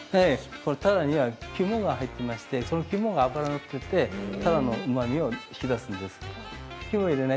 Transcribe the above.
たらには肝が入っていましてその肝の脂があって、うまみを引き出すんです。